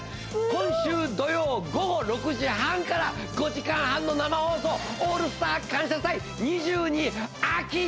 今週土曜午後６時半から５時間半の生放送「オールスター感謝祭’２２秋」